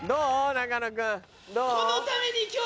中野君。